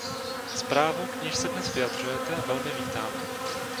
Zprávu, k níž se dnes vyjadřujete, velmi vítám.